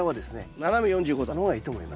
斜め４５度の方がいいと思います。